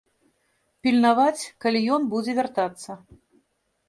Пільнаваць, калі ён будзе вяртацца.